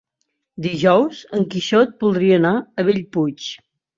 Dijous en Quixot voldria anar a Bellpuig.